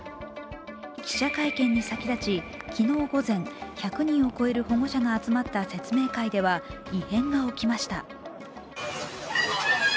記者会見に先立ち、昨日午前、１００人を超える保護者が集まった説明会では異変が起きました。